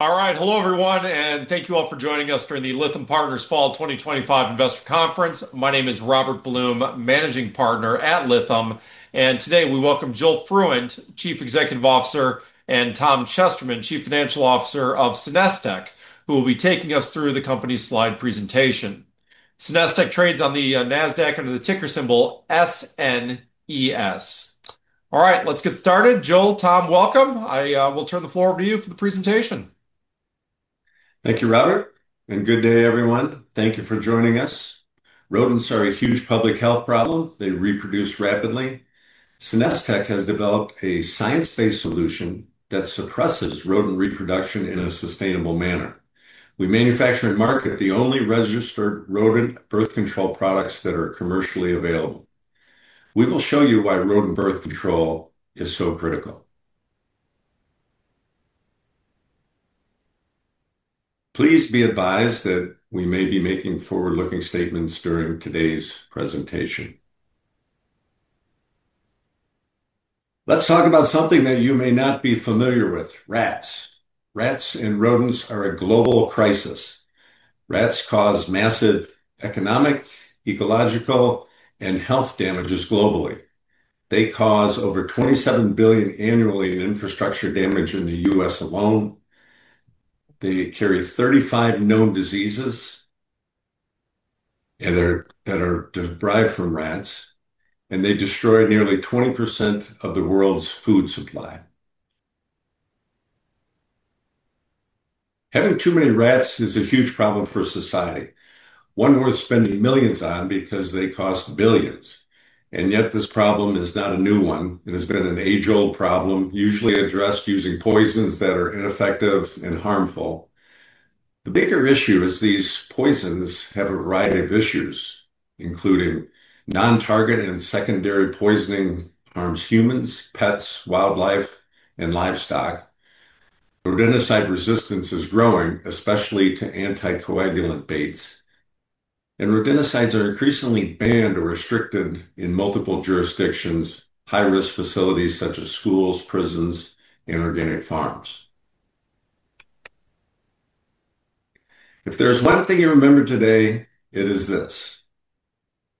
All right, hello everyone, and thank you all for joining us during the Lithium Partners Fall 2025 Investor Conference. My name is Robert Blum, Managing Partner at Lithium Partners, and today we welcome Joel Fruendt, Chief Executive Officer, and Tom Chesterman, Chief Financial Officer of SenesTech, who will be taking us through the company's slide presentation. SenesTech trades on the NASDAQ under the ticker symbol SNES. All right, let's get started. Joel, Tom, welcome. I will turn the floor over to you for the presentation. Thank you, Robert, and good day, everyone. Thank you for joining us. Rodents are a huge public health problem. They reproduce rapidly. SenesTech has developed a science-based solution that suppresses rodent reproduction in a sustainable manner. We manufacture and market the only registered rodent birth control products that are commercially available. We will show you why rodent birth control is so critical. Please be advised that we may be making forward-looking statements during today's presentation. Let's talk about something that you may not be familiar with: rats. Rats and rodents are a global crisis. Rats cause massive economic, ecological, and health damages globally. They cause over $27 billion annually in infrastructure damage in the U.S. alone. They carry 35 known diseases that are derived from rats, and they destroy nearly 20% of the world's food supply. Having too many rats is a huge problem for society, one worth spending millions on because they cost billions. This problem is not a new one. It has been an age-old problem, usually addressed using poisons that are ineffective and harmful. The bigger issue is these poisons have a variety of issues, including non-target and secondary poisoning harms humans, pets, wildlife, and livestock. Rodenticide resistance is growing, especially to anticoagulant baits, and rodenticides are increasingly banned or restricted in multiple jurisdictions, high-risk facilities such as schools, prisons, and organic farms. If there's one thing you remember today, it is this: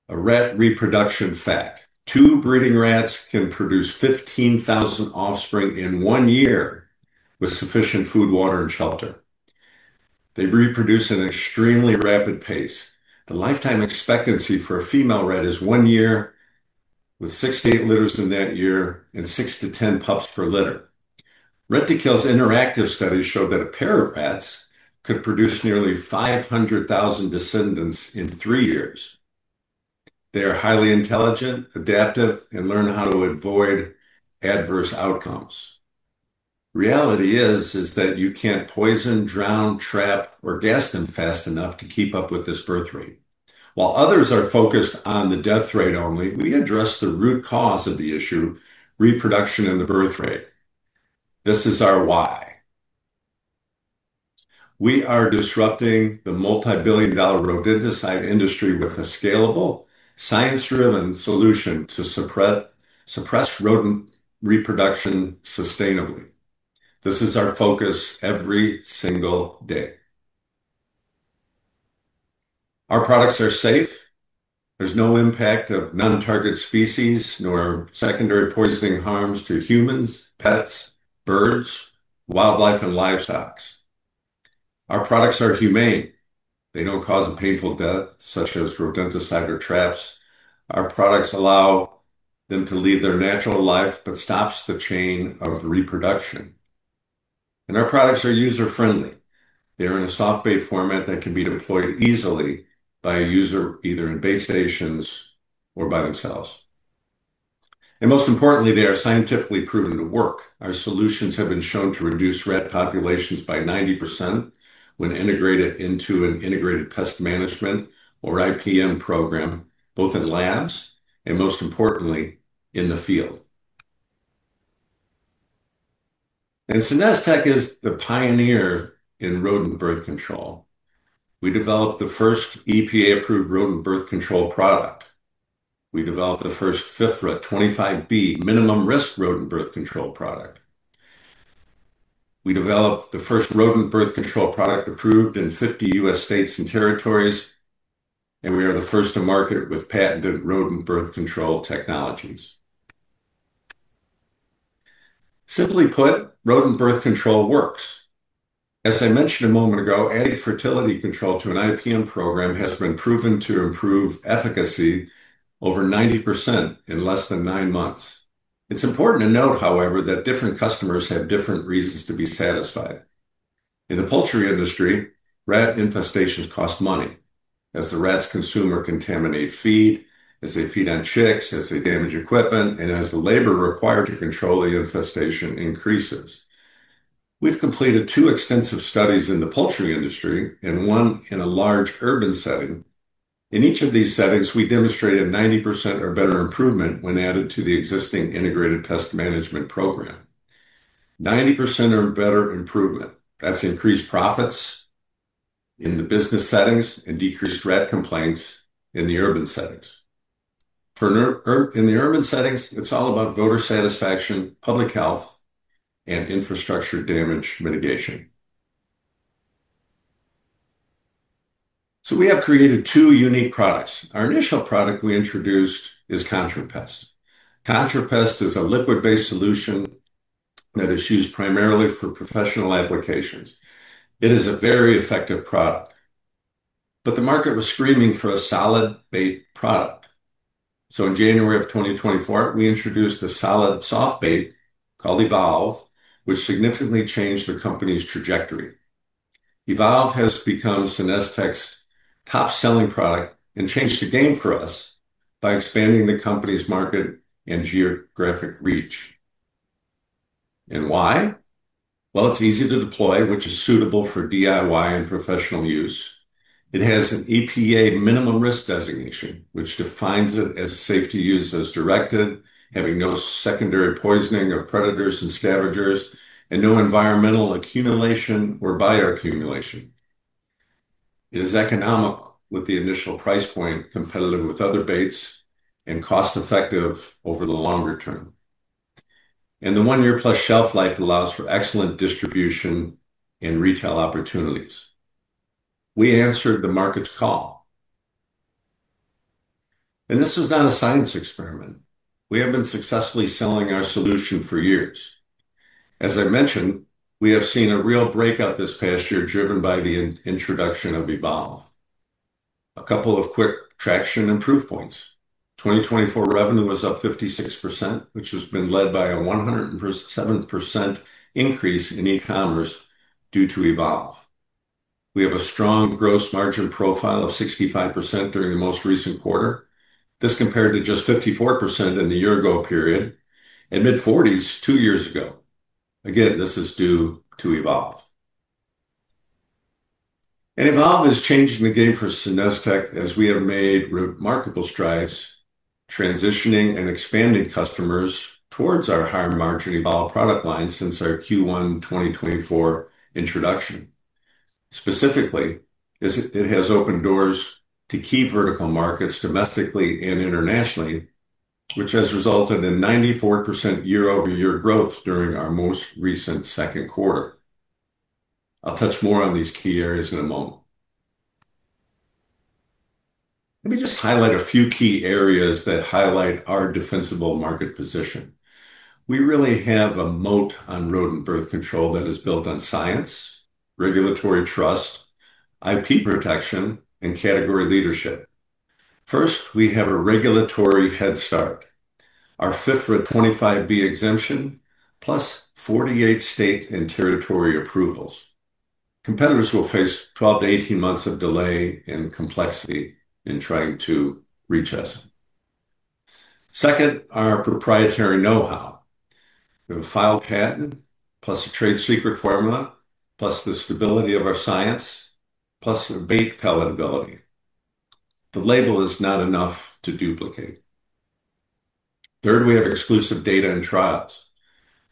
a rat reproduction fact. Two breeding rats can produce 15,000 offspring in one year with sufficient food, water, and shelter. They reproduce at an extremely rapid pace. The lifetime expectancy for a female rat is one year, with six to eight litters in that year and six to ten pups per litter. Retikale's interactive studies show that a pair of rats could produce nearly 500,000 descendants in three years. They are highly intelligent, adaptive, and learn how to avoid adverse outcomes. The reality is that you can't poison, drown, trap, or gas them fast enough to keep up with this birth rate. While others are focused on the death rate only, we address the root cause of the issue: reproduction and the birth rate. This is our why. We are disrupting the multi-billion dollar rodenticide industry with a scalable, science-driven solution to suppress rodent reproduction sustainably. This is our focus every single day. Our products are safe. There's no impact of non-target species nor secondary poisoning harms to humans, pets, birds, wildlife, and livestock. Our products are humane. They don't cause a painful death, such as rodenticide or traps. Our products allow them to lead their natural life but stop the chain of reproduction. Our products are user-friendly. They are in a soft-bait format that can be deployed easily by a user, either in base stations or by themselves. Most importantly, they are scientifically proven to work. Our solutions have been shown to reduce rat populations by 90% when integrated into an integrated pest management or IPM program, both in labs and, most importantly, in the field. SenesTech is the pioneer in rodent birth control. We developed the first EPA-approved rodent birth control product. We developed the first FIFRA 25(b) minimum risk rodent birth control product. We developed the first rodent birth control product approved in 50 U.S. states and territories, and we are the first to market with patented rodent birth control technologies. Simply put, rodent birth control works. As I mentioned a moment ago, adding fertility control to an IPM program has been proven to improve efficacy over 90% in less than nine months. It's important to note, however, that different customers have different reasons to be satisfied. In the poultry industry, rat infestations cost money, as the rats consume or contaminate feed, as they feed on chicks, as they damage equipment, and as the labor required to control the infestation increases. We've completed two extensive studies in the poultry industry and one in a large urban setting. In each of these settings, we demonstrated 90% or better improvement when added to the existing integrated pest management program. 90% or better improvement. That's increased profits in the business settings and decreased rat complaints in the urban settings. In the urban settings, it's all about voter satisfaction, public health, and infrastructure damage mitigation. We have created two unique products. Our initial product we introduced is ContraPest. ContraPest is a liquid-based solution that is used primarily for professional applications. It is a very effective product. The market was screaming for a solid-bait product. In January of 2024, we introduced a solid soft bait called Evolve, which significantly changed the company's trajectory. Evolve has become SenesTech's top-selling product and changed the game for us by expanding the company's market and geographic reach. It is easy to deploy, which is suitable for DIY and professional use. It has an EPA minimum risk designation, which defines it as safe to use as directed, having no secondary poisoning of predators and scavengers, and no environmental accumulation or bioaccumulation. It is economical with the initial price point, competitive with other baits, and cost-effective over the longer term. The one-year plus shelf life allows for excellent distribution and retail opportunities. We answered the market's call. This was not a science experiment. We have been successfully selling our solution for years. As I mentioned, we have seen a real breakout this past year driven by the introduction of Evolve. A couple of quick traction and proof points. 2024 revenue was up 56%, which has been led by a 107% increase in e-commerce due to Evolve. We have a strong gross margin profile of 65% during the most recent quarter. This compared to just 54% in the year-ago period and mid-40s two years ago. This is due to Evolve. Evolve has changed the game for SenesTech as we have made remarkable strides transitioning and expanding customers towards our higher margin Evolve product line since our Q1 2024 introduction. Specifically, it has opened doors to key vertical markets domestically and internationally, which has resulted in 94% year-over-year growth during our most recent second quarter. I'll touch more on these key areas in a moment. Let me just highlight a few key areas that highlight our defensible market position. We really have a moat on rodent birth control that is built on science, regulatory trust, IP protection, and category leadership. First, we have a regulatory head start. Our FIFRA 25(b) exemption plus 48 state and territory approvals. Competitors will face 12 to 18 months of delay and complexity in trying to reach us. Second, our proprietary know-how. We have a filed patent plus a trade secret formula plus the stability of our science plus the bait palatability. The label is not enough to duplicate. Third, we have exclusive data and trials.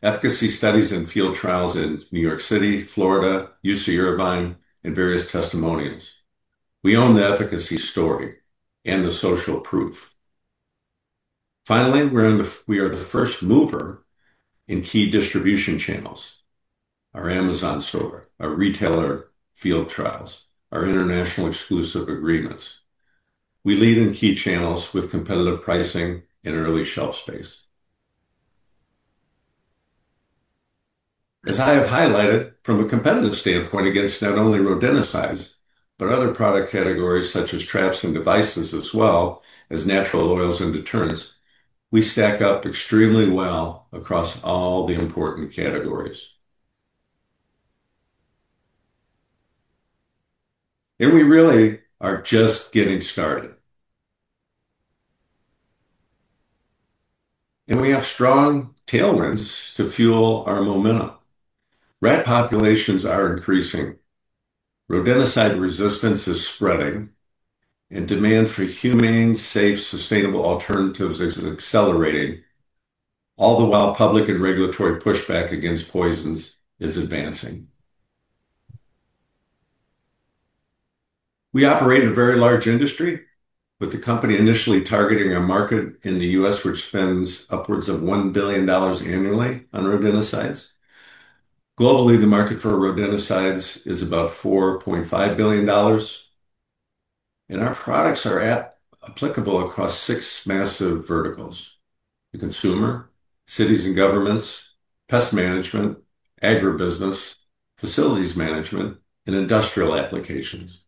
Efficacy studies and field trials in New York City, Florida, UC Irvine, and various testimonials. We own the efficacy story and the social proof. Finally, we are the first mover in key distribution channels. Our Amazon store, our retailer field trials, our international exclusive agreements. We lead in key channels with competitive pricing and early shelf space. As I have highlighted, from a competitive standpoint against not only rodenticides but other product categories such as traps and devices as well as natural oils and deterrents, we stack up extremely well across all the important categories. We really are just getting started. We have strong tailwinds to fuel our momentum. Rat populations are increasing. Rodenticide resistance is spreading, and demand for humane, safe, sustainable alternatives is accelerating, all the while public and regulatory pushback against poisons is advancing. We operate in a very large industry, with the company initially targeting a market in the U.S. which spends upwards of $1 billion annually on rodenticides. Globally, the market for rodenticides is about $4.5 billion. Our products are applicable across six massive verticals: the consumer, cities and governments, pest management, agribusiness, facilities management, and industrial applications.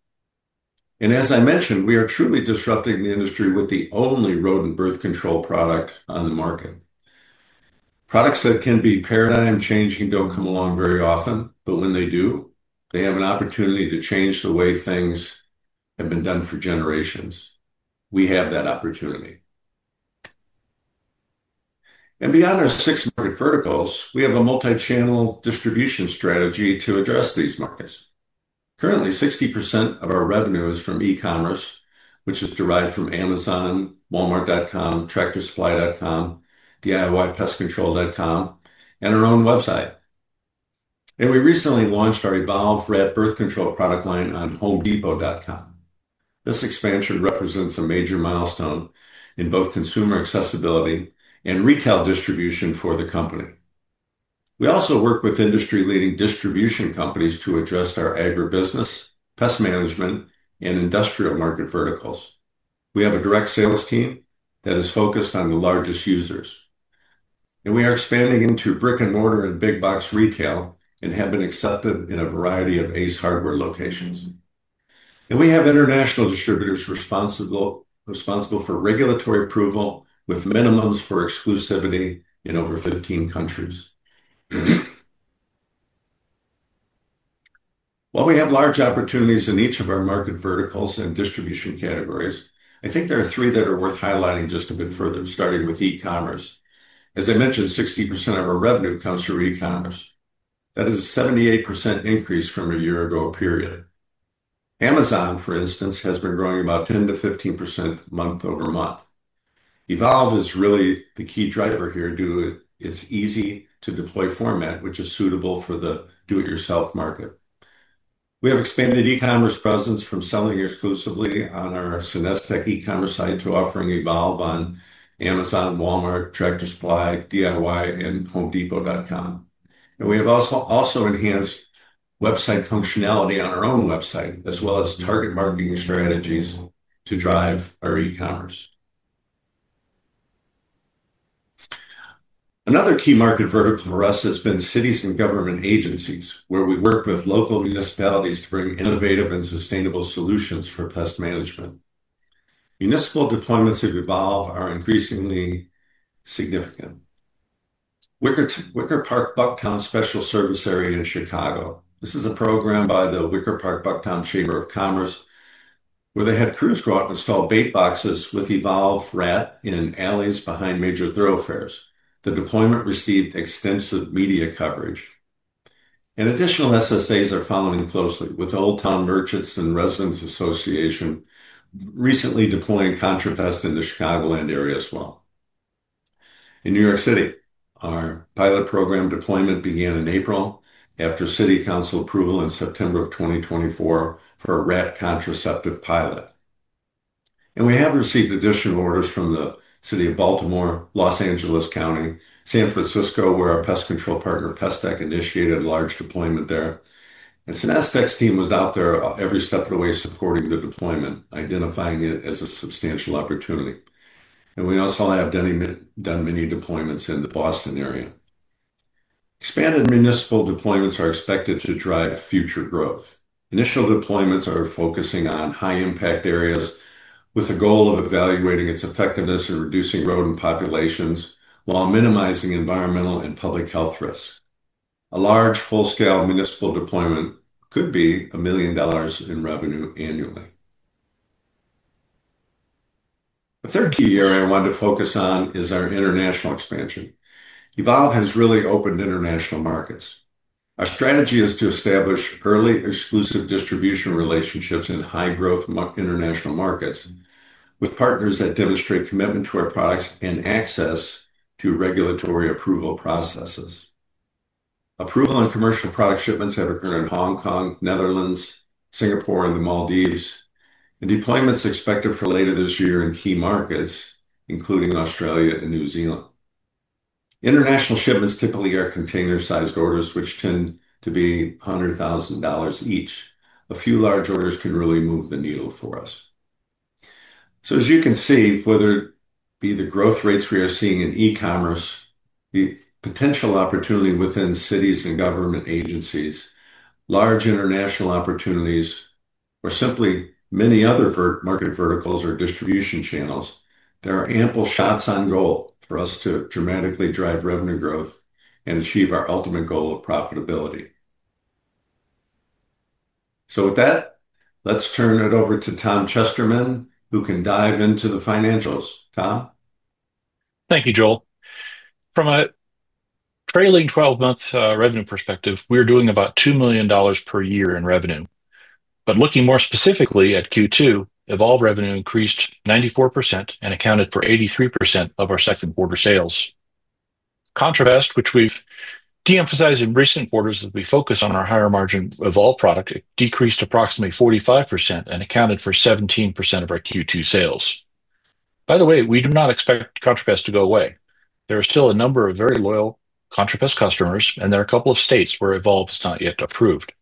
As I mentioned, we are truly disrupting the industry with the only rodent birth control product on the market. Products that can be paradigm-changing do not come along very often, but when they do, they have an opportunity to change the way things have been done for generations. We have that opportunity. Beyond our six market verticals, we have a multi-channel distribution strategy to address these markets. Currently, 60% of our revenue is from e-commerce, which is derived from Amazon, Walmart.com, TractorSupply.com, DIYPestControl.com, and our own website. We recently launched our Evolve Rat Birth Control product line on HomeDepot.com. This expansion represents a major milestone in both consumer accessibility and retail distribution for the company. We also work with industry-leading distribution companies to address our agribusiness, pest management, and industrial market verticals. We have a direct sales team that is focused on the largest users. We are expanding into brick-and-mortar and big-box retail and have been accepted in a variety of ACE Hardware locations. We have international distributors responsible for regulatory approval with minimums for exclusivity in over 15 countries. While we have large opportunities in each of our market verticals and distribution categories, I think there are three that are worth highlighting just a bit further, starting with e-commerce. As I mentioned, 60% of our revenue comes from e-commerce. That is a 78% increase from a year-ago period. Amazon, for instance, has been growing about 10 to 15% month over month. Evolve is really the key driver here due to its easy-to-deploy format, which is suitable for the do-it-yourself market. We have expanded e-commerce presence from selling exclusively on our SenesTech e-commerce site to offering Evolve on Amazon, Walmart.com, TractorSupply.com, DIY, and HomeDepot.com. We have also enhanced website functionality on our own website, as well as target marketing strategies to drive our e-commerce. Another key market vertical for us has been cities and government agencies, where we work with local municipalities to bring innovative and sustainable solutions for pest management. Municipal deployments of Evolve are increasingly significant. Wicker Park Bucktown Special Service Area in Chicago. This is a program by the Wicker Park Bucktown Chamber of Commerce, where they had crews of grottens fill bait boxes with Evolve Rat in alleys behind major thoroughfares. The deployment received extensive media coverage. Additional SSAs are following closely with Old Town Merchants and Residents Association, recently deploying ContraPest in the Chicagoland area as well. In New York City, our pilot program deployment began in April after City Council approval in September of 2024 for a rat contraceptive pilot. We have received additional orders from the City of Baltimore, Los Angeles County, and San Francisco, where our pest control partner, PestTech, initiated a large deployment there. SenesTech's team was out there every step of the way supporting the deployment, identifying it as a substantial opportunity. We also have done many deployments in the Boston area. Expanded municipal deployments are expected to drive future growth. Initial deployments are focusing on high-impact areas with the goal of evaluating its effectiveness in reducing rodent populations while minimizing environmental and public health risks. A large, full-scale municipal deployment could be $1 million in revenue annually. A third key area I wanted to focus on is our international expansion. Evolve has really opened international markets. Our strategy is to establish early exclusive distribution relationships in high-growth international markets with partners that demonstrate commitment to our products and access to regulatory approval processes. Approval on commercial product shipments have occurred in Hong Kong, the Netherlands, Singapore, and the Maldives. Deployments are expected for later this year in key markets, including Australia and New Zealand. International shipments typically are container-sized orders, which tend to be $100,000 each. A few large orders can really move the needle for us. As you can see, whether it be the growth rates we are seeing in e-commerce, the potential opportunity within cities and government agencies, large international opportunities, or simply many other market verticals or distribution channels, there are ample shots on goal for us to dramatically drive revenue growth and achieve our ultimate goal of profitability. With that, let's turn it over to Tom Chesterman, who can dive into the financials. Tom? Thank you, Joel. From a trailing 12-month revenue perspective, we are doing about $2 million per year in revenue. Looking more specifically at Q2, Evolve revenue increased 94% and accounted for 83% of our second-quarter sales. ContraPest, which we've de-emphasized in recent quarters as we focus on our higher margin Evolve product, decreased approximately 45% and accounted for 17% of our Q2 sales. By the way, we do not expect ContraPest to go away. There are still a number of very loyal ContraPest customers, and there are a couple of states where Evolve is not yet approved.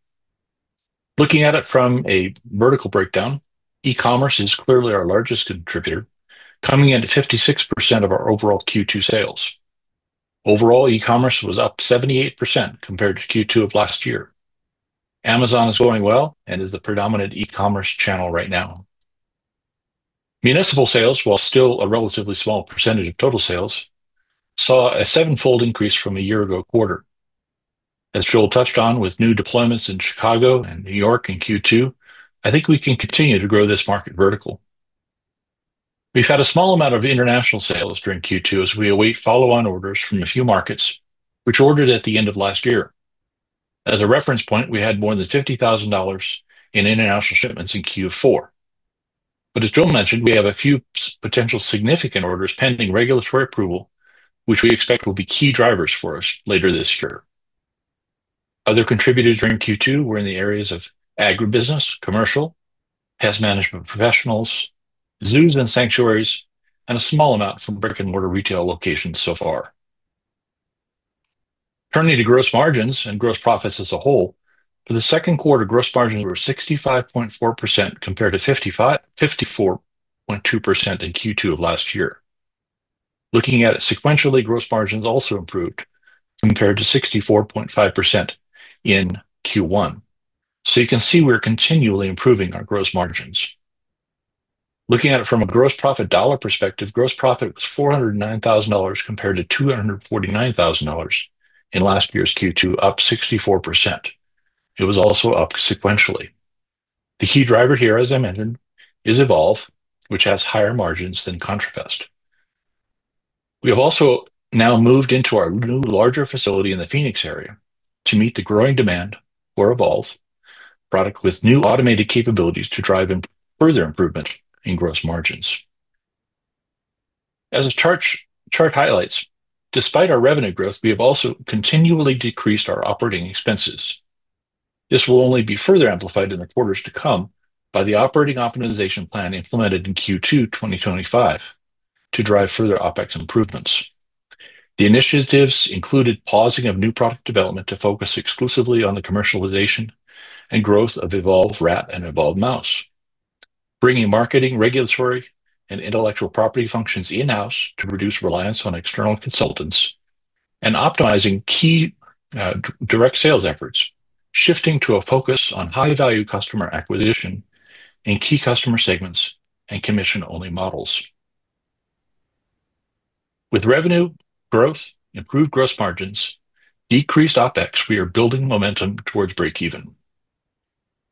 Looking at it from a vertical breakdown, e-commerce is clearly our largest contributor, coming in at 56% of our overall Q2 sales. Overall, e-commerce was up 78% compared to Q2 of last year. Amazon is going well and is the predominant e-commerce channel right now. Municipal sales, while still a relatively small percentage of total sales, saw a seven-fold increase from a year-ago quarter. As Joel touched on with new deployments in Chicago and New York City in Q2, I think we can continue to grow this market vertically. We've had a small amount of international sales during Q2 as we await follow-on orders from a few markets, which ordered at the end of last year. As a reference point, we had more than $50,000 in international shipments in Q4. As Joel mentioned, we have a few potential significant orders pending regulatory approval, which we expect will be key drivers for us later this year. Other contributors during Q2 were in the areas of agribusiness, commercial, pest management professionals, zoos and sanctuaries, and a small amount from brick-and-mortar retail locations so far. Turning to gross margins and gross profits as a whole, for the second quarter, gross margins were 65.4% compared to 54.2% in Q2 of last year. Looking at it sequentially, gross margins also improved compared to 64.5% in Q1. You can see we're continually improving our gross margins. Looking at it from a gross profit dollar perspective, gross profit was $409,000 compared to $249,000 in last year's Q2, up 64%. It was also up sequentially. The key driver here, as I mentioned, is Evolve, which has higher margins than ContraPest. We have also now moved into our new larger facility in the Phoenix area to meet the growing demand for Evolve, a product with new automated capabilities to drive further improvement in gross margins. As this chart highlights, despite our revenue growth, we have also continually decreased our operating expenses. This will only be further amplified in the quarters to come by the OPEX optimization plan implemented in Q2 2025 to drive further OPEX improvements. The initiatives included pausing of new product development to focus exclusively on the commercialization and growth of Evolve Rat and Evolve Mouse, bringing marketing, regulatory, and intellectual property functions in-house to reduce reliance on external consultants, and optimizing key direct sales efforts, shifting to a focus on high-value customer acquisition in key customer segments and commission-only models. With revenue growth, improved gross margins, and decreased OPEX, we are building momentum towards break-even.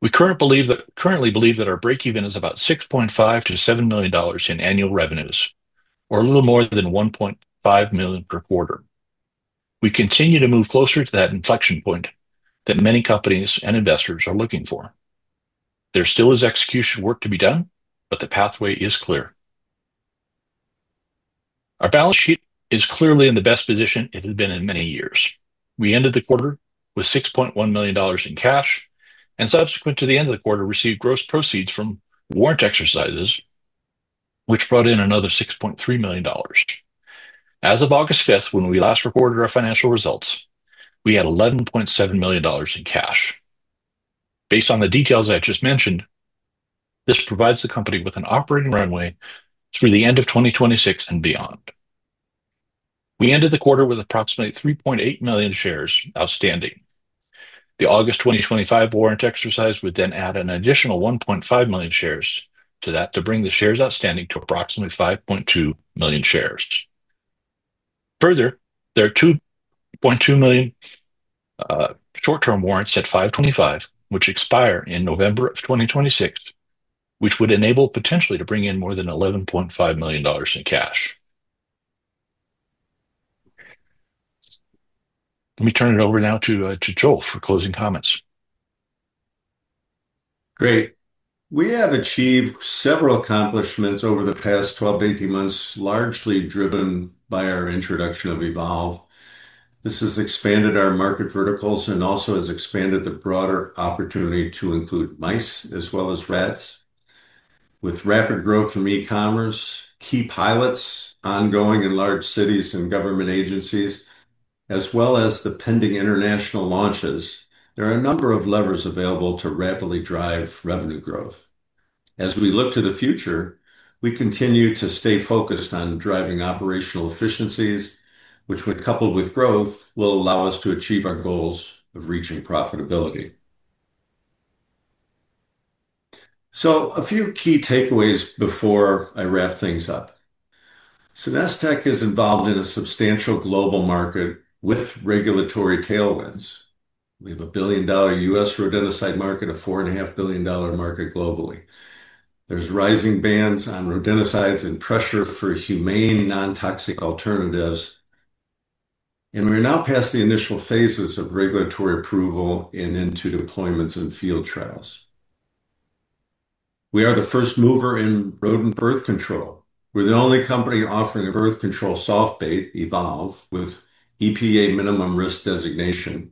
We currently believe that our break-even is about $6.5-$7 million in annual revenues, or a little more than $1.5 million per quarter. We continue to move closer to that inflection point that many companies and investors are looking for. There still is execution work to be done, but the pathway is clear. Our balance sheet is clearly in the best position it has been in many years. We ended the quarter with $6.1 million in cash, and subsequent to the end of the quarter, we received gross proceeds from warrant exercises, which brought in another $6.3 million. As of August 5, when we last recorded our financial results, we had $11.7 million in cash. Based on the details I just mentioned, this provides the company with an operating runway through the end of 2026 and beyond. We ended the quarter with approximately 3.8 million shares outstanding. The August 2025 warrant exercise would then add an additional 1.5 million shares to that to bring the shares outstanding to approximately 5.2 million shares. Further, there are 2.2 million short-term warrants at $5.25, which expire in November of 2026, which would enable potentially to bring in more than $11.5 million in cash. Let me turn it over now to Joel for closing comments. Great. We have achieved several accomplishments over the past 12-18 months, largely driven by our introduction of Evolve. This has expanded our market verticals and also has expanded the broader opportunity to include mice as well as rats. With rapid growth from e-commerce, key pilots ongoing in large cities and government agencies, as well as the pending international launches, there are a number of levers available to rapidly drive revenue growth. As we look to the future, we continue to stay focused on driving operational efficiencies, which, coupled with growth, will allow us to achieve our goals of reaching profitability. A few key takeaways before I wrap things up. SenesTech is involved in a substantial global market with regulatory tailwinds. We have a billion-dollar U.S. rodenticide market, a $4.5 billion market globally. There's rising bans on rodenticides and pressure for humane, non-toxic alternatives. We are now past the initial phases of regulatory approval and into deployments and field trials. We are the first mover in rodent birth control. We're the only company offering a birth control soft bait, Evolve, with EPA minimum risk designation.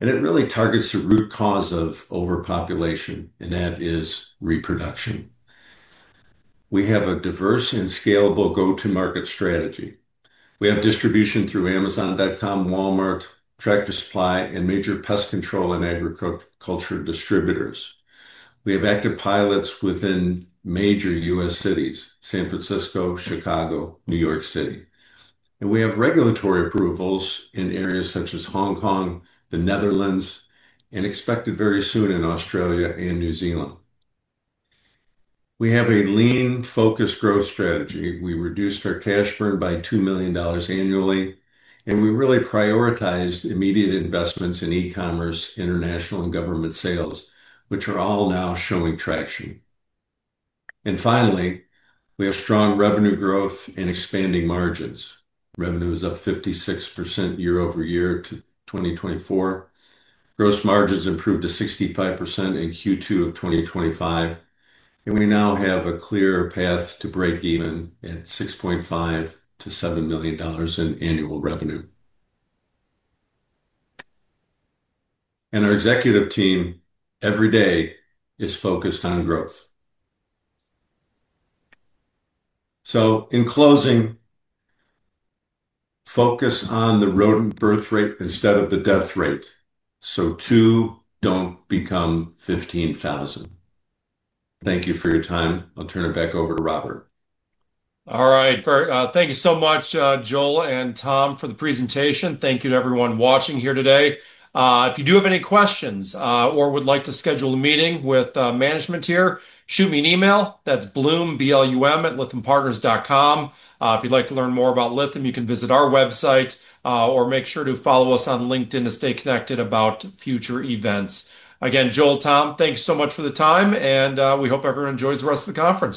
It really targets the root cause of overpopulation, and that is reproduction. We have a diverse and scalable go-to-market strategy. We have distribution through Amazon, Walmart.com, TractorSupply.com, and major pest control and agriculture distributors. We have active pilots within major U.S. cities: San Francisco, Chicago, New York City. We have regulatory approvals in areas such as Hong Kong, the Netherlands, and expected very soon in Australia and New Zealand. We have a lean, focused growth strategy. We reduced our cash burn by $2 million annually, and we really prioritized immediate investments in e-commerce, international, and government sales, which are all now showing traction. We have strong revenue growth and expanding margins. Revenue is up 56% year over year to 2024. Gross margins improved to 65% in Q2 of 2025. We now have a clear path to break even at $6.5-$7 million in annual revenue. Our executive team every day is focused on growth. In closing, focus on the rodent birth rate instead of the death rate. Two don't become 15,000. Thank you for your time. I'll turn it back over to Robert. All right, thank you so much, Joel and Tom, for the presentation. Thank you to everyone watching here today. If you do have any questions or would like to schedule a meeting with management here, shoot me an email. That's blum@lithiumpartners.com. If you'd like to learn more about Lithium Partners, you can visit our website or make sure to follow us on LinkedIn to stay connected about future events. Again, Joel, Tom, thank you so much for the time, and we hope everyone enjoys the rest of the conference.